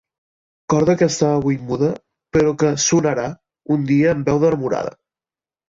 Corda que està avui muda, però que sonarà un dia amb veu d'enamorada.